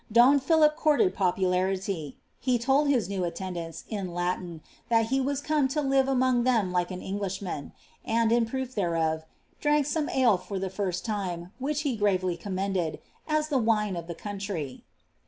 Don Philip couri«d popularity ; he told his new attendants, in Ljitin, that he was come to Live among them like an Englishman ; and, in proof thereof, dmnk sotnt ale for the first time ; which he gravely commendeJ, " as the ' the country."